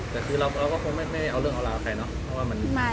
แต่คือเราก็คงไม่ได้เอาเรื่องเอาลาไทยเนาะ